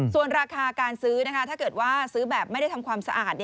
ส่วนราคาการซื้อถ้าเกิดว่าซื้อแบบไม่ได้ทำความสะอาด